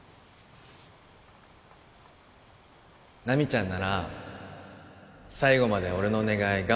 奈未ちゃんなら最後まで俺のお願い